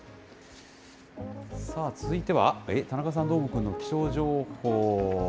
さあ、続いては、田中さん、どーもくんの気象情報。